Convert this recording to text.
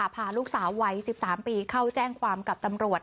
พาลูกสาววัย๑๓ปีเข้าแจ้งความกับตำรวจ